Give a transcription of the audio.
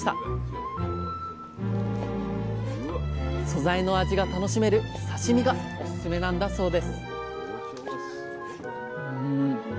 素材の味が楽しめる刺身がおすすめなんだそうです